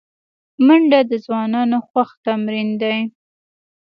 منډه د ځوانانو خوښ تمرین دی